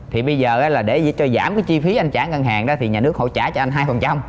thì bây giờ là để cho giảm cái chi phí anh trả ngân hàng đó thì nhà nước họ trả cho anh hai phần trăm